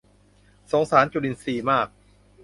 สงสารจุลินทรีย์มาก